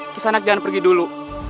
kisanak jangan pergi dulu